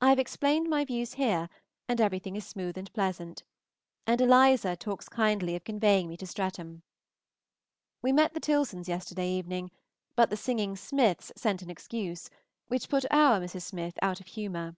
I have explained my views here, and everything is smooth and pleasant; and Eliza talks kindly of conveying me to Streatham. We met the Tilsons yesterday evening, but the singing Smiths sent an excuse, which put our Mrs. Smith out of humor.